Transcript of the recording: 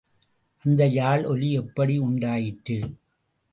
அந்த யாழ் ஒலி எப்படி உண்டாயிற்று?